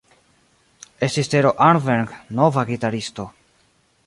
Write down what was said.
Estis Tero Arnbergn nova gitaristo.